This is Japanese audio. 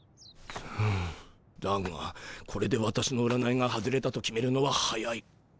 だがこれで私の占いが外れたと決めるのは早い。